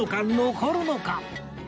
残るのか？